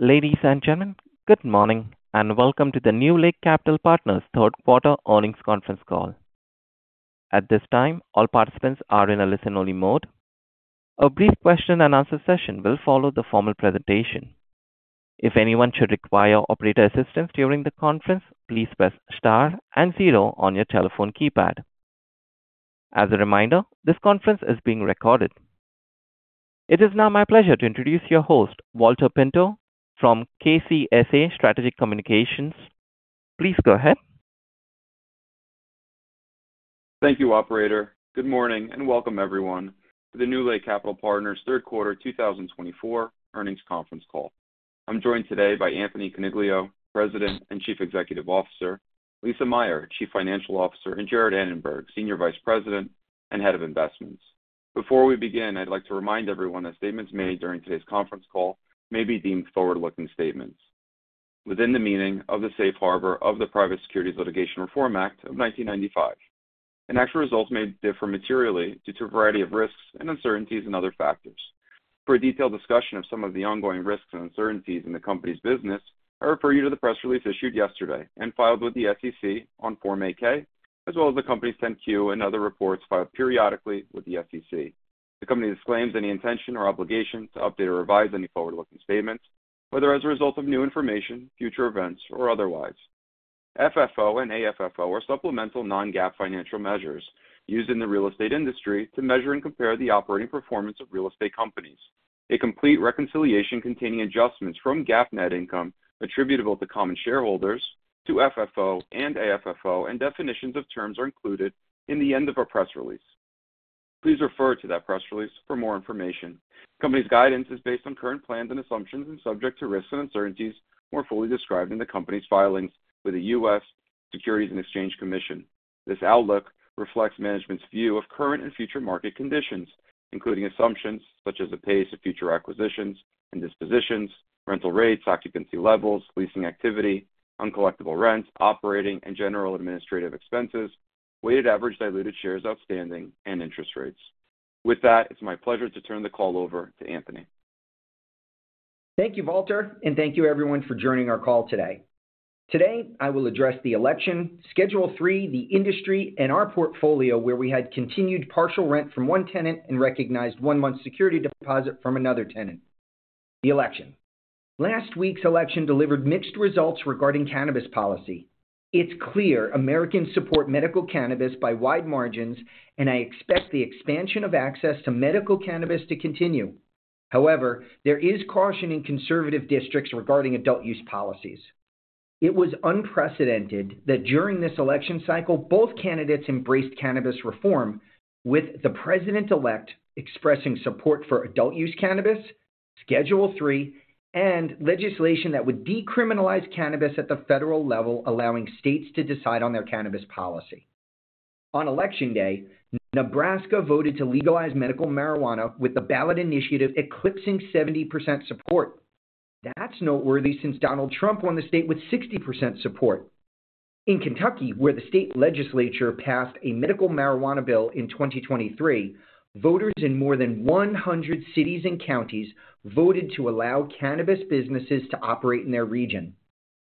Ladies and gentlemen, good morning and welcome to the NewLake Capital Partners third quarter earnings conference call. At this time, all participants are in a listen-only mode. A brief question-and-answer session will follow the formal presentation. If anyone should require operator assistance during the conference, please press star and zero on your telephone keypad. As a reminder, this conference is being recorded. It is now my pleasure to introduce your host, Valter Pinto, from KCSA Strategic Communications. Please go ahead. Thank you, Operator. Good morning and welcome, everyone, to the NewLake Capital Partners third quarter 2024 earnings conference call. I'm joined today by Anthony Coniglio, President and Chief Executive Officer; Lisa Meyer, Chief Financial Officer; and Jarrett Annenberg, Senior Vice President and Head of Investments. Before we begin, I'd like to remind everyone that statements made during today's conference call may be deemed forward-looking statements. Within the meaning of the Safe Harbor of the Private Securities Litigation Reform Act of 1995, an actual result may differ materially due to a variety of risks and uncertainties and other factors. For a detailed discussion of some of the ongoing risks and uncertainties in the company's business, I refer you to the press release issued yesterday and filed with the SEC on Form 8-K, as well as the company's 10-Q and other reports filed periodically with the SEC. The company disclaims any intention or obligation to update or revise any forward-looking statements, whether as a result of new information, future events, or otherwise. FFO and AFFO are supplemental non-GAAP financial measures used in the real estate industry to measure and compare the operating performance of real estate companies. A complete reconciliation containing adjustments from GAAP net income attributable to common shareholders to FFO and AFFO and definitions of terms are included at the end of a press release. Please refer to that press release for more information. The company's guidance is based on current plans and assumptions and subject to risks and uncertainties more fully described in the company's filings with the U.S. Securities and Exchange Commission. This outlook reflects management's view of current and future market conditions, including assumptions such as the pace of future acquisitions and dispositions, rental rates, occupancy levels, leasing activity, uncollectible rent, operating and general administrative expenses, weighted average diluted shares outstanding, and interest rates. With that, it's my pleasure to turn the call over to Anthony. Thank you, Walter, and thank you, everyone, for joining our call today. Today, I will address the election, Schedule III, the industry, and our portfolio where we had continued partial rent from one tenant and recognized one-month security deposit from another tenant. The election. Last week's election delivered mixed results regarding cannabis policy. It's clear Americans support medical cannabis by wide margins, and I expect the expansion of access to medical cannabis to continue. However, there is caution in conservative districts regarding adult use policies. It was unprecedented that during this election cycle, both candidates embraced cannabis reform, with the president-elect expressing support for adult use cannabis, Schedule III, and legislation that would decriminalize cannabis at the federal level, allowing states to decide on their cannabis policy. On Election Day, Nebraska voted to legalize medical marijuana, with the ballot initiative eclipsing 70% support. That's noteworthy since Donald Trump won the state with 60% support. In Kentucky, where the state legislature passed a medical marijuana bill in 2023, voters in more than 100 cities and counties voted to allow cannabis businesses to operate in their region.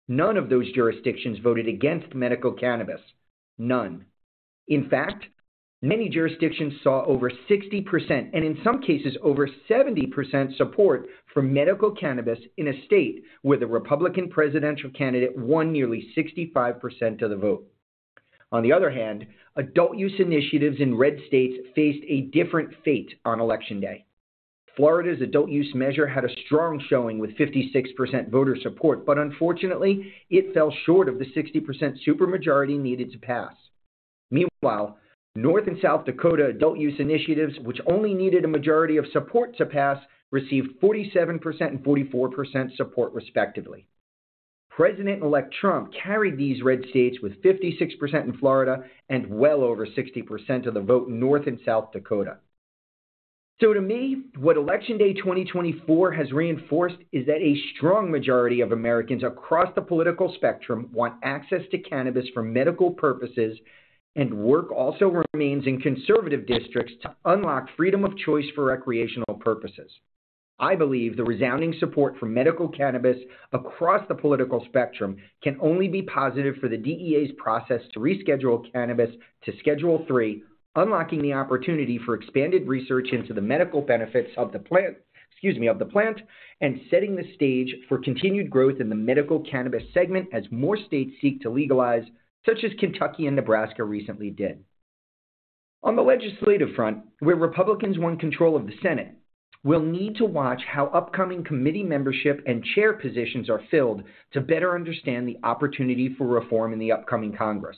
None of those jurisdictions voted against medical cannabis. None. In fact, many jurisdictions saw over 60% and, in some cases, over 70% support for medical cannabis in a state where the Republican presidential candidate won nearly 65% of the vote. On the other hand, adult use initiatives in red states faced a different fate on Election Day. Florida's adult use measure had a strong showing with 56% voter support, but unfortunately, it fell short of the 60% supermajority needed to pass. Meanwhile, North and South Dakota adult use initiatives, which only needed a majority of support to pass, received 47% and 44% support, respectively. President-elect Trump carried these red states with 56% in Florida and well over 60% of the vote in North and South Dakota, so to me, what Election Day 2024 has reinforced is that a strong majority of Americans across the political spectrum want access to cannabis for medical purposes, and work also remains in conservative districts to unlock freedom of choice for recreational purposes. I believe the resounding support for medical cannabis across the political spectrum can only be positive for the DEA's process to reschedule cannabis to Schedule III, unlocking the opportunity for expanded research into the medical benefits of the plant, excuse me, of the plant and setting the stage for continued growth in the medical cannabis segment as more states seek to legalize, such as Kentucky and Nebraska recently did. On the legislative front, where Republicans won control of the Senate, we'll need to watch how upcoming committee membership and chair positions are filled to better understand the opportunity for reform in the upcoming Congress.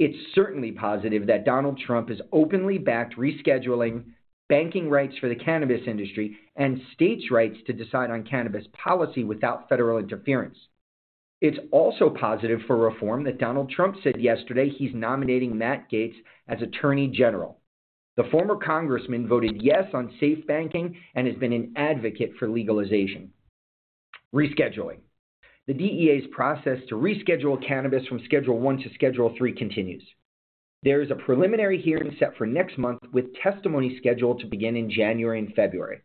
It's certainly positive that Donald Trump has openly backed rescheduling, banking rights for the cannabis industry, and states' rights to decide on cannabis policy without federal interference. It's also positive for reform that Donald Trump said yesterday he's nominating Matt Gaetz as Attorney General. The former congressman voted yes on SAFE Banking and has been an advocate for legalization. Rescheduling. The DEA's process to reschedule cannabis from Schedule I to Schedule III continues. There is a preliminary hearing set for next month, with testimony scheduled to begin in January and February.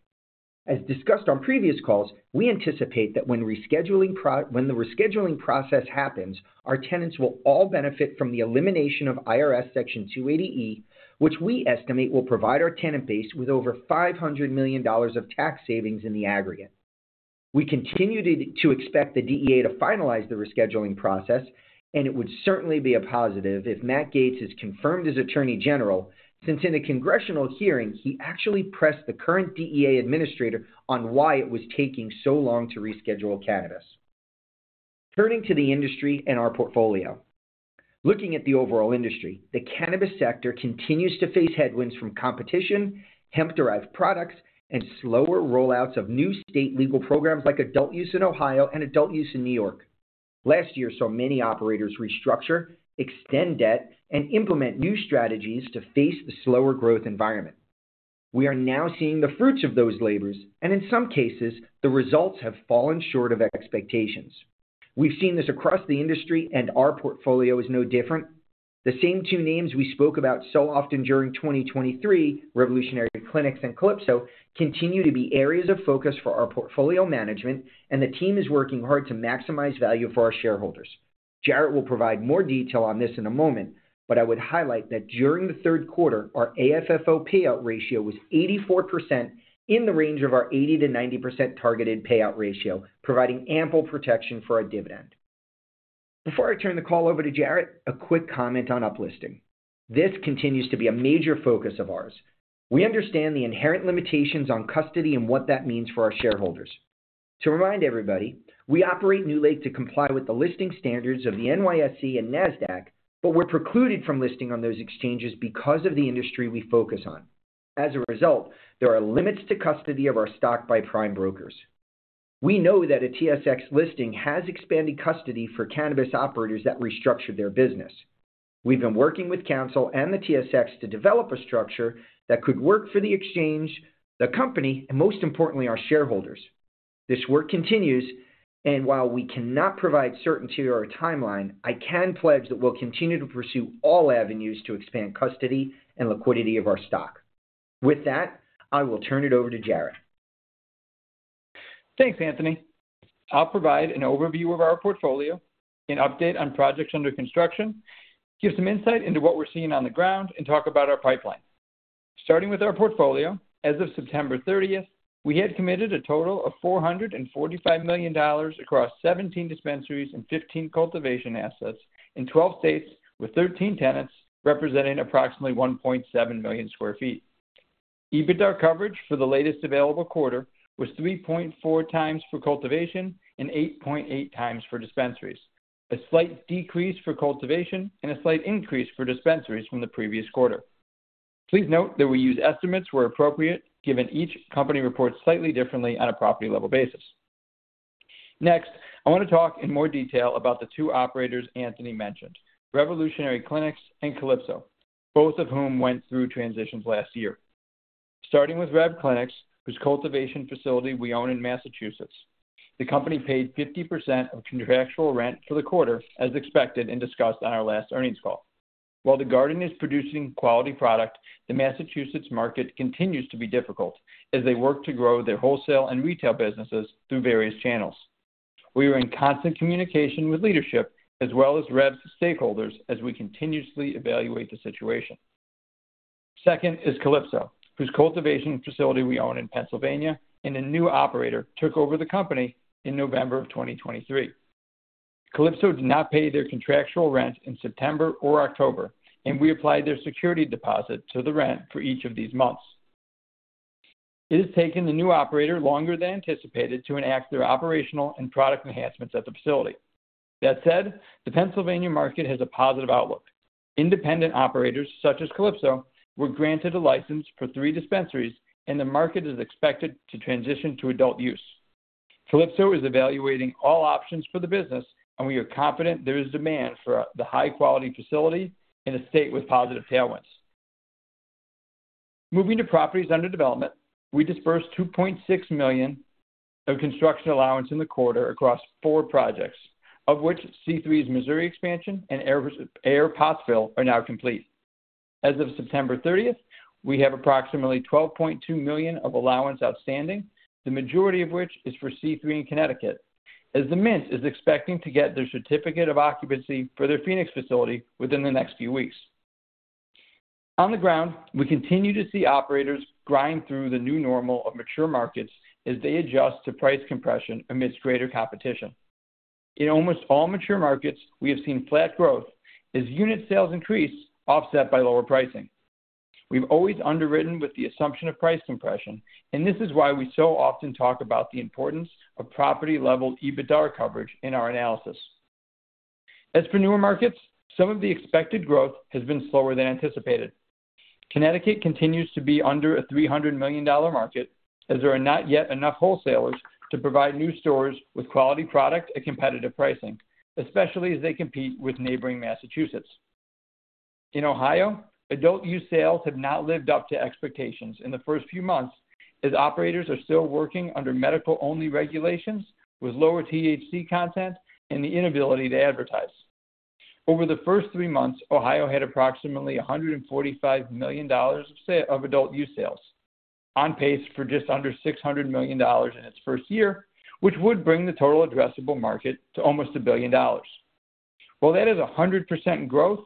As discussed on previous calls, we anticipate that when the rescheduling process happens, our tenants will all benefit from the elimination of IRS Section 280E, which we estimate will provide our tenant base with over $500 million of tax savings in the aggregate. We continue to expect the DEA to finalize the rescheduling process, and it would certainly be a positive if Matt Gaetz is confirmed as Attorney General, since in a congressional hearing he actually pressed the current DEA administrator on why it was taking so long to reschedule cannabis. Turning to the industry and our portfolio. Looking at the overall industry, the cannabis sector continues to face headwinds from competition, hemp-derived products, and slower rollouts of new state legal programs like adult use in Ohio and adult use in New York. Last year saw many operators restructure, extend debt, and implement new strategies to face the slower growth environment. We are now seeing the fruits of those labors, and in some cases, the results have fallen short of expectations. We've seen this across the industry, and our portfolio is no different. The same two names we spoke about so often during 2023, Revolutionary Clinics and Calypso, continue to be areas of focus for our portfolio management, and the team is working hard to maximize value for our shareholders. Jarrett will provide more detail on this in a moment, but I would highlight that during the third quarter, our AFFO payout ratio was 84%, in the range of our 80%-90% targeted payout ratio, providing ample protection for our dividend. Before I turn the call over to Jarrett, a quick comment on uplisting. This continues to be a major focus of ours. We understand the inherent limitations on custody and what that means for our shareholders. To remind everybody, we operate NewLake to comply with the listing standards of the NYSE and NASDAQ, but we're precluded from listing on those exchanges because of the industry we focus on. As a result, there are limits to custody of our stock by prime brokers. We know that a TSX listing has expanded custody for cannabis operators that restructured their business. We've been working with counsel and the TSX to develop a structure that could work for the exchange, the company, and most importantly, our shareholders. This work continues, and while we cannot provide certainty or a timeline, I can pledge that we'll continue to pursue all avenues to expand custody and liquidity of our stock. With that, I will turn it over to Jarrett. Thanks, Anthony. I'll provide an overview of our portfolio, an update on projects under construction, give some insight into what we're seeing on the ground, and talk about our pipeline. Starting with our portfolio, as of September 30th, we had committed a total of $445 million across 17 dispensaries and 15 cultivation assets in 12 states with 13 tenants representing approximately 1.7 million sq ft. EBITDA coverage for the latest available quarter was 3.4 times for cultivation and 8.8 times for dispensaries, a slight decrease for cultivation and a slight increase for dispensaries from the previous quarter. Please note that we use estimates where appropriate, given each company reports slightly differently on a property-level basis. Next, I want to talk in more detail about the two operators Anthony mentioned, Revolutionary Clinics and Calypso, both of whom went through transitions last year. Starting with Rev Clinics, whose cultivation facility we own in Massachusetts. The company paid 50% of contractual rent for the quarter, as expected and discussed on our last earnings call. While the garden is producing quality product, the Massachusetts market continues to be difficult as they work to grow their wholesale and retail businesses through various channels. We are in constant communication with leadership as well as Rev's stakeholders as we continuously evaluate the situation. Second is Calypso, whose cultivation facility we own in Pennsylvania, and a new operator took over the company in November of 2023. Calypso did not pay their contractual rent in September or October, and we applied their security deposit to the rent for each of these months. It has taken the new operator longer than anticipated to enact their operational and product enhancements at the facility. That said, the Pennsylvania market has a positive outlook. Independent operators, such as Calypso, were granted a license for three dispensaries, and the market is expected to transition to adult use. Calypso is evaluating all options for the business, and we are confident there is demand for the high-quality facility in a state with positive tailwinds. Moving to properties under development, we disbursed $2.6 million of construction allowance in the quarter across four projects, of which C3's Missouri expansion and Ayr Pottsville are now complete. As of September 30th, we have approximately $12.2 million of allowance outstanding, the majority of which is for C3 in Connecticut, as The Mint is expecting to get their certificate of occupancy for their Phoenix facility within the next few weeks. On the ground, we continue to see operators grind through the new normal of mature markets as they adjust to price compression amidst greater competition. In almost all mature markets, we have seen flat growth as unit sales increase, offset by lower pricing. We've always underwritten with the assumption of price compression, and this is why we so often talk about the importance of property-level EBITDA coverage in our analysis. As for newer markets, some of the expected growth has been slower than anticipated. Connecticut continues to be under a $300 million market, as there are not yet enough wholesalers to provide new stores with quality product at competitive pricing, especially as they compete with neighboring Massachusetts. In Ohio, adult use sales have not lived up to expectations in the first few months, as operators are still working under medical-only regulations with lower THC content and the inability to advertise. Over the first three months, Ohio had approximately $145 million of adult use sales, on pace for just under $600 million in its first year, which would bring the total addressable market to almost $1 billion. While that is 100% growth,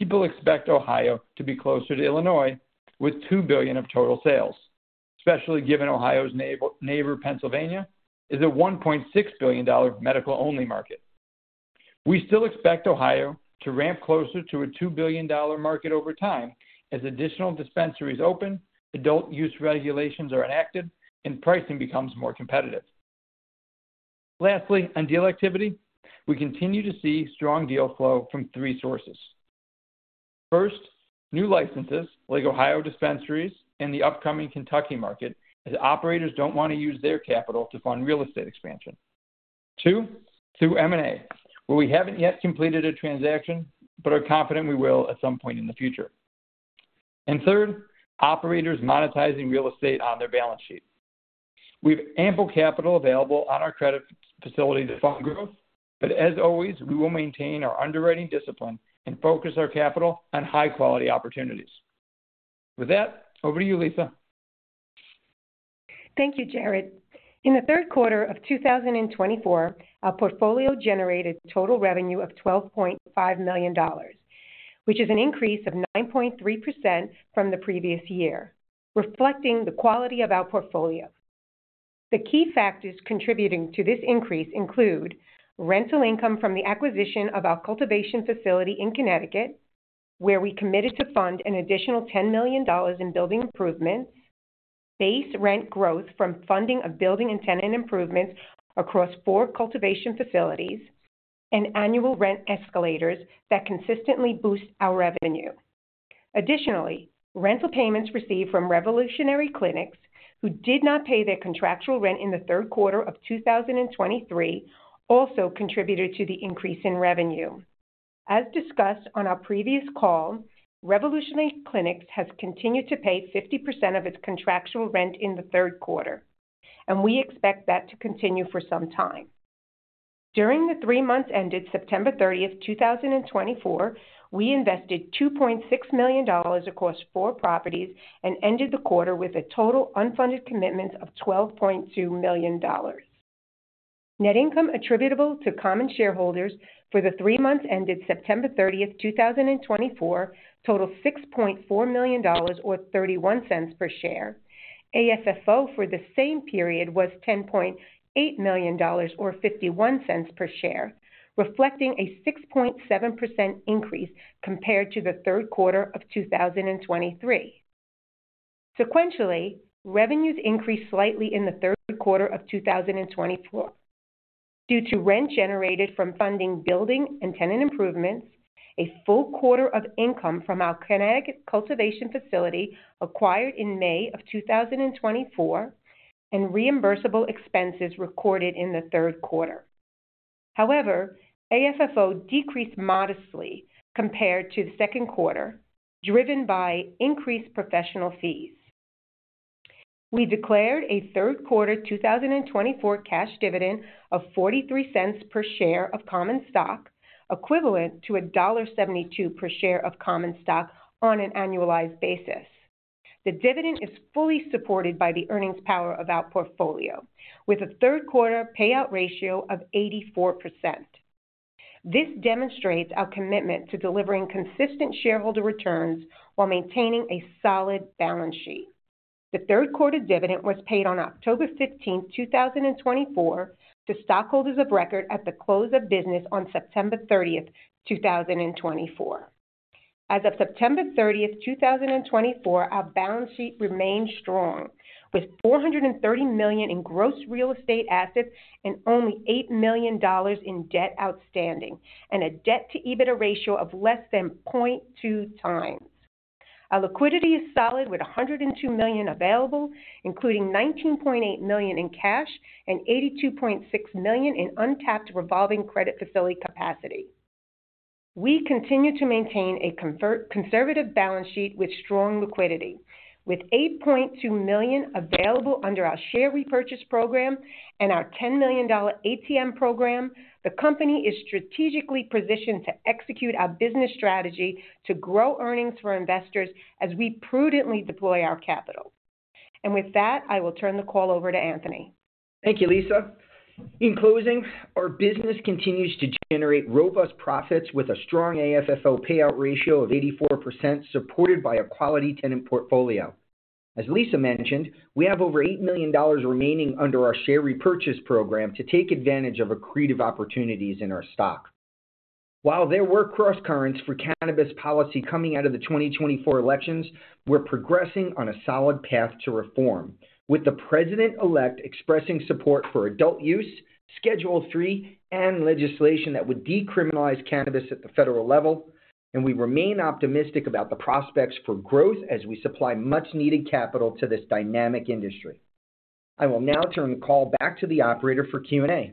people expect Ohio to be closer to Illinois with $2 billion of total sales, especially given Ohio's neighbor, Pennsylvania, is a $1.6 billion medical-only market. We still expect Ohio to ramp closer to a $2 billion market over time as additional dispensaries open, adult use regulations are enacted, and pricing becomes more competitive. Lastly, on deal activity, we continue to see strong deal flow from three sources. First, new licenses like Ohio dispensaries and the upcoming Kentucky market, as operators don't want to use their capital to fund real estate expansion. Two, through M&A, where we haven't yet completed a transaction but are confident we will at some point in the future, and third, operators monetizing real estate on their balance sheet. We have ample capital available on our credit facility to fund growth, but as always, we will maintain our underwriting discipline and focus our capital on high-quality opportunities. With that, over to you, Lisa. Thank you, Jarrett. In the third quarter of 2024, our portfolio generated total revenue of $12.5 million, which is an increase of 9.3% from the previous year, reflecting the quality of our portfolio. The key factors contributing to this increase include rental income from the acquisition of our cultivation facility in Connecticut, where we committed to fund an additional $10 million in building improvements, base rent growth from funding of building and tenant improvements across four cultivation facilities, and annual rent escalators that consistently boost our revenue. Additionally, rental payments received from Revolutionary Clinics, who did not pay their contractual rent in the third quarter of 2023, also contributed to the increase in revenue. As discussed on our previous call, Revolutionary Clinics has continued to pay 50% of its contractual rent in the third quarter, and we expect that to continue for some time. During the three months ended September 30th, 2024, we invested $2.6 million across four properties and ended the quarter with a total unfunded commitments of $12.2 million. Net income attributable to common shareholders for the three months ended September 30th, 2024, totaled $6.4 million or 31 cents per share. AFFO for the same period was $10.8 million or 51 cents per share, reflecting a 6.7% increase compared to the third quarter of 2023. Sequentially, revenues increased slightly in the third quarter of 2024 due to rent generated from funding building and tenant improvements, a full quarter of income from our Connecticut cultivation facility acquired in May of 2024, and reimbursable expenses recorded in the third quarter. However, AFFO decreased modestly compared to the second quarter, driven by increased professional fees. We declared a third quarter 2024 cash dividend of $0.43 per share of common stock, equivalent to $1.72 per share of common stock on an annualized basis. The dividend is fully supported by the earnings power of our portfolio, with a third quarter payout ratio of 84%. This demonstrates our commitment to delivering consistent shareholder returns while maintaining a solid balance sheet. The third quarter dividend was paid on October 15th, 2024, to stockholders of record at the close of business on September 30th, 2024. As of September 30th, 2024, our balance sheet remained strong, with $430 million in gross real estate assets and only $8 million in debt outstanding, and a debt-to-EBITDA ratio of less than 0.2 times. Our liquidity is solid, with $102 million available, including $19.8 million in cash and $82.6 million in untapped revolving credit facility capacity. We continue to maintain a conservative balance sheet with strong liquidity. With $8.2 million available under our share repurchase program and our $10 million ATM program, the company is strategically positioned to execute our business strategy to grow earnings for investors as we prudently deploy our capital, and with that, I will turn the call over to Anthony. Thank you, Lisa. In closing, our business continues to generate robust profits with a strong AFFO payout ratio of 84%, supported by a quality tenant portfolio. As Lisa mentioned, we have over $8 million remaining under our share repurchase program to take advantage of accretive opportunities in our stock. While there were cross-currents for cannabis policy coming out of the 2024 elections, we're progressing on a solid path to reform, with the president-elect expressing support for adult use, Schedule III, and legislation that would decriminalize cannabis at the federal level, and we remain optimistic about the prospects for growth as we supply much-needed capital to this dynamic industry. I will now turn the call back to the operator for Q&A.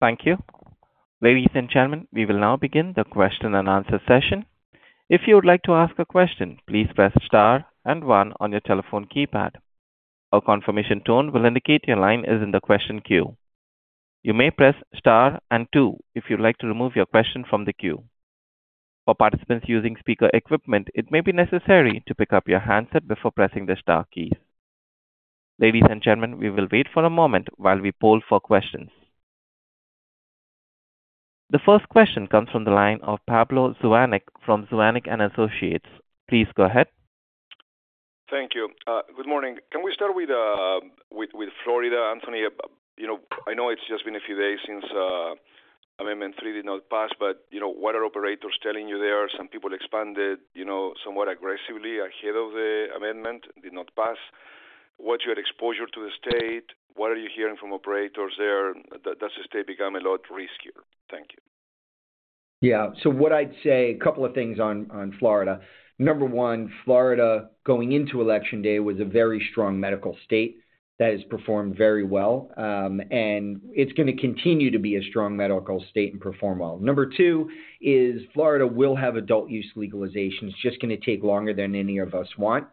Thank you. Ladies and gentlemen, we will now begin the question and answer session. If you would like to ask a question, please press star and 1 on your telephone keypad. A confirmation tone will indicate your line is in the question queue. You may press star and 2 if you'd like to remove your question from the queue. For participants using speaker equipment, it may be necessary to pick up your handset before pressing the star keys. Ladies and gentlemen, we will wait for a moment while we poll for questions. The first question comes from the line of Pablo Zuanic from Zuanic & Associates. Please go ahead. Thank you. Good morning. Can we start with Florida, Anthony? I know it's just been a few days since Amendment 3 did not pass, but what are operators telling you there? Some people expanded somewhat aggressively ahead of the amendment, did not pass. What's your exposure to the state? What are you hearing from operators there? Does the state become a lot riskier? Thank you. Yeah. So what I'd say, a couple of things on Florida. Number one, Florida going into Election Day was a very strong medical state that has performed very well, and it's going to continue to be a strong medical state and perform well. Number two is Florida will have adult use legalization. It's just going to take longer than any of us want.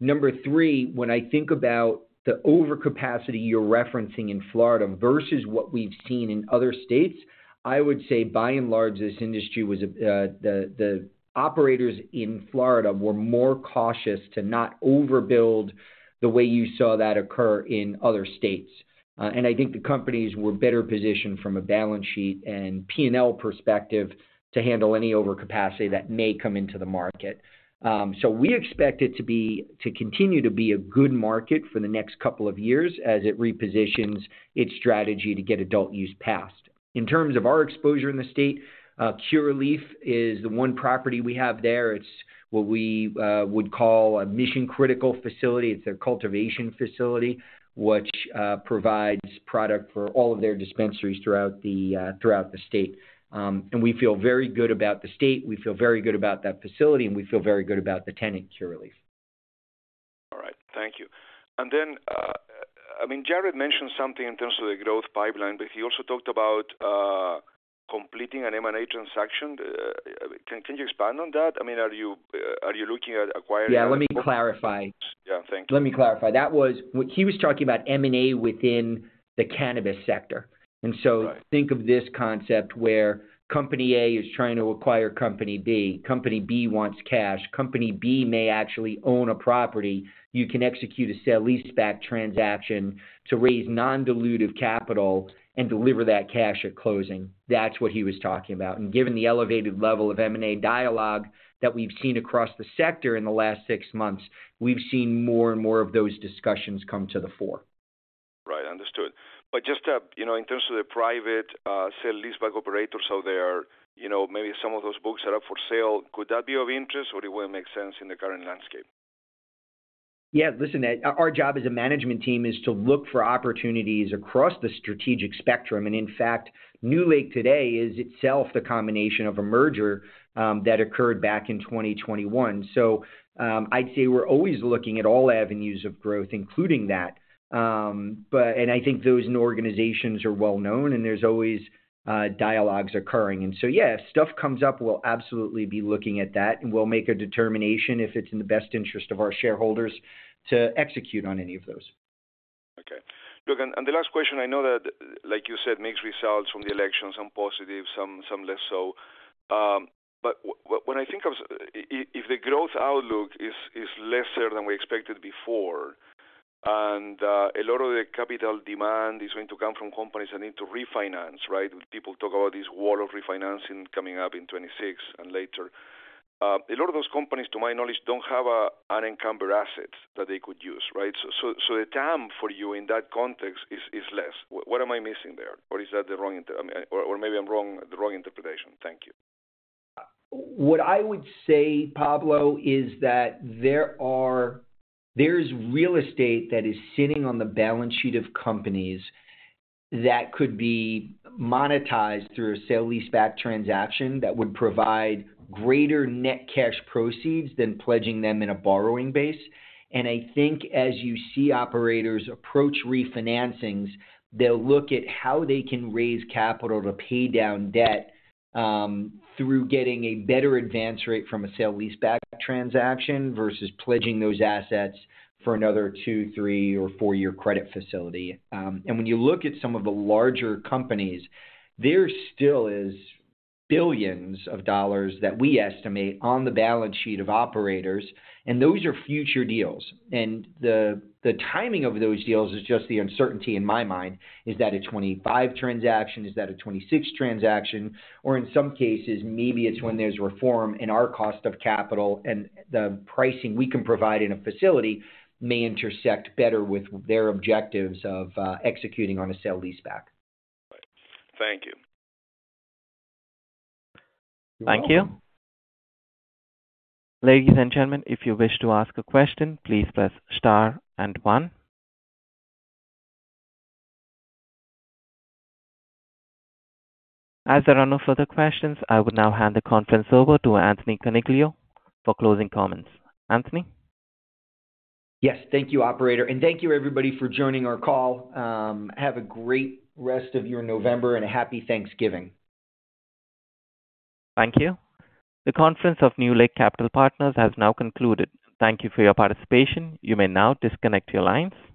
Number three, when I think about the overcapacity you're referencing in Florida versus what we've seen in other states, I would say, by and large, this industry was the operators in Florida were more cautious to not overbuild the way you saw that occur in other states. I think the companies were better positioned from a balance sheet and P&L perspective to handle any overcapacity that may come into the market. So we expect it to continue to be a good market for the next couple of years as it repositions its strategy to get adult use passed. In terms of our exposure in the state, Curaleaf is the one property we have there. It's what we would call a mission-critical facility. It's their cultivation facility, which provides product for all of their dispensaries throughout the state. And we feel very good about the state. We feel very good about that facility, and we feel very good about the tenant Curaleaf. All right. Thank you. And then, I mean, Jarrett mentioned something in terms of the growth pipeline, but he also talked about completing an M&A transaction. Can you expand on that? I mean, are you looking at acquiring? Yeah. Let me clarify. Yeah. Thank you. Let me clarify. That was what he was talking about, M&A within the cannabis sector. And so think of this concept where Company A is trying to acquire Company B. Company B wants cash. Company B may actually own a property. You can execute a sale-leaseback transaction to raise non-dilutive capital and deliver that cash at closing. That's what he was talking about. And given the elevated level of M&A dialogue that we've seen across the sector in the last six months, we've seen more and more of those discussions come to the fore. Right. Understood. But just in terms of the private sell-leaseback operators out there, maybe some of those books are up for sale. Could that be of interest, or it wouldn't make sense in the current landscape? Yeah. Listen, our job as a management team is to look for opportunities across the strategic spectrum, and in fact, NewLake today is itself the combination of a merger that occurred back in 2021, so I'd say we're always looking at all avenues of growth, including that, and I think those new organizations are well-known, and there's always dialogues occurring, and so, yeah, if stuff comes up, we'll absolutely be looking at that, and we'll make a determination if it's in the best interest of our shareholders to execute on any of those. Okay. Look, and the last question, I know that, like you said, mixed results from the elections, some positive, some less so. But when I think of if the growth outlook is lesser than we expected before, and a lot of the capital demand is going to come from companies that need to refinance, right? People talk about this wall of refinancing coming up in 2026 and later. A lot of those companies, to my knowledge, don't have unencumbered assets that they could use, right? So the time for you in that context is less. What am I missing there? Or is that the wrong? Or maybe I'm wrong, the wrong interpretation. Thank you. What I would say, Pablo, is that there is real estate that is sitting on the balance sheet of companies that could be monetized through a sell-lease-back transaction that would provide greater net cash proceeds than pledging them in a borrowing base. And I think as you see operators approach refinancings, they'll look at how they can raise capital to pay down debt through getting a better advance rate from a sell-lease-back transaction versus pledging those assets for another two, three, or four-year credit facility. And when you look at some of the larger companies, there still is billions of dollars that we estimate on the balance sheet of operators, and those are future deals. And the timing of those deals is just the uncertainty in my mind. Is that a 2025 transaction? Is that a 2026 transaction? Or in some cases, maybe it's when there's reform, and our cost of capital and the pricing we can provide in a facility may intersect better with their objectives of executing on a sale-leaseback. Right. Thank you. Thank you. Ladies and gentlemen, if you wish to ask a question, please press star and one. As there are no further questions, I will now hand the conference over to Anthony Coniglio for closing comments. Anthony? Yes. Thank you, operator, and thank you, everybody, for joining our call. Have a great rest of your November and a happy Thanksgiving. Thank you. The conference call of NewLake Capital Partners has now concluded. Thank you for your participation. You may now disconnect your lines.